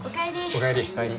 お帰り。